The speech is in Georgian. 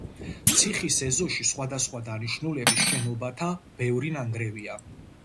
ციხის ეზოში სხვადასხვა დანიშნულების შენობათა ბევრი ნანგრევია.